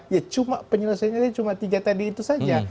ya cuma penyelesaiannya cuma tiga tadi itu saja